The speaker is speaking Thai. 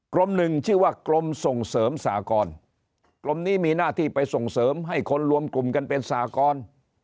หนึ่งชื่อว่ากรมส่งเสริมสากรกรมนี้มีหน้าที่ไปส่งเสริมให้คนรวมกลุ่มกันเป็นสากร